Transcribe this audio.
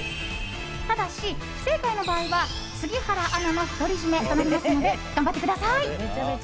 ただし不正解の場合は杉原アナの独り占めとなりますので頑張ってください！